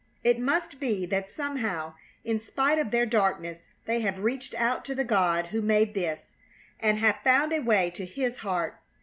It must be that somehow in spite of their darkness they have reached out to the God who made this, and have found a way to His heart.